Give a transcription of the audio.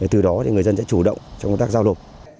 từ đó thì người dân sẽ chủ động trong công tác giao nổ